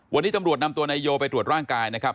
วันนี้ตำรวจนำตัวนายโยไปตรวจร่างกายนะครับ